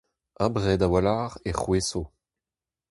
Abred a-walc'h e c'hwezho.